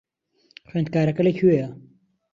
خوێندکارەکە لەکوێیە؟